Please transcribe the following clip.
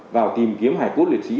vào tìm kiếm hải quốc liệt sĩ